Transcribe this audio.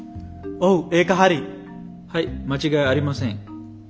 はい間違いありません。